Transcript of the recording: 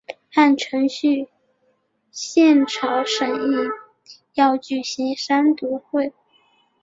按程序宪草审议要举行三读会。